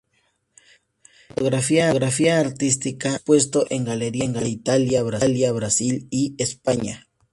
En fotografía artística ha expuesto en galerías de Italia, Brasil y España.